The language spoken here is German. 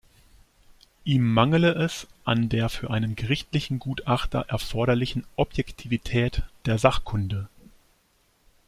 Ihm mangele es an der für einen gerichtlichen Gutachter erforderlichen Objektivität der Sachkunde.